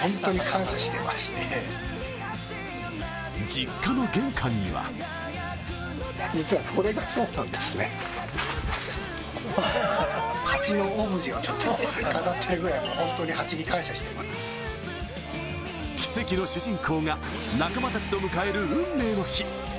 実家の玄関には奇跡の主人公が仲間たちと迎える運命の日。